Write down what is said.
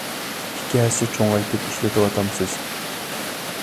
ئىككى ھەسسە چوڭايتىپ ئىشلىتىۋاتامسىز؟